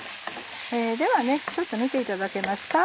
ではちょっと見ていただけますか？